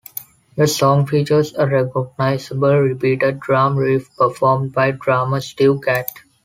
The song features a recognizable repeated drum riff performed by drummer Steve Gadd.